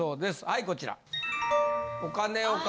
はいこちら。